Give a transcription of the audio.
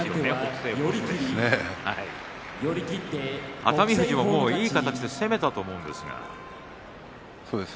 熱海富士のいい形になって攻めたと思うんですがね。